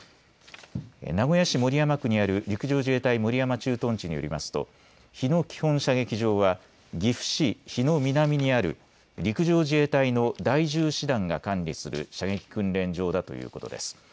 名古屋市守山区にある陸上自衛隊守山駐屯地によりますと日野基本射撃場は岐阜市日野南にある陸上自衛隊の第１０師団が管理する射撃訓練場だということです。